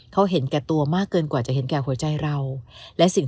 เขาเห็นแก่ตัวมากเกินกว่าจะเห็นแก่หัวใจเราและสิ่ง